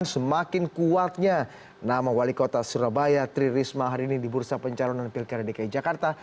semakin kuatnya nama wali kota surabaya tri risma hari ini di bursa pencalonan pilkada dki jakarta